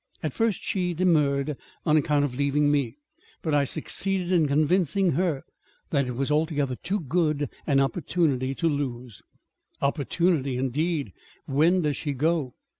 At first she demurred, on account of leaving me; but I succeeded in convincing her that it was altogether too good an opportunity to lose." "Opportunity, indeed! When does she go?"